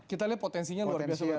kita lihat potensinya luar biasa